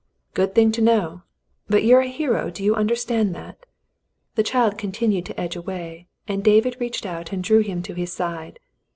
"Good thing to know; but you're a hero, do you under stand that.^" The child continued to edge away, and David reached out and drew him to his side.